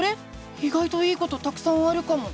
いがいといいことたくさんあるかも！